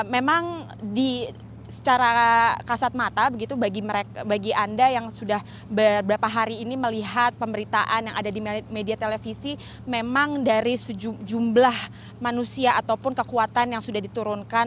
memang secara kasat mata begitu bagi anda yang sudah beberapa hari ini melihat pemberitaan yang ada di media televisi memang dari sejumlah manusia ataupun kekuatan yang sudah diturunkan